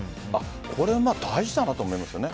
これは大事だなと思いますね。